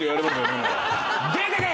「出てけ！